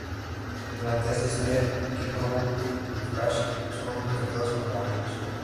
Durante esta historia, Kilowog y Flash son presentados como amigos.